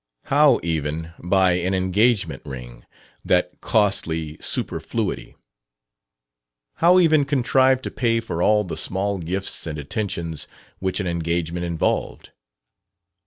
How, even, buy an engagement ring that costly superfluity? How even contrive to pay for all the small gifts and attentions which an engagement involved?